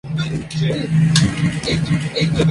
Si en lugar de exento va adosado al muro se denomina pilastra.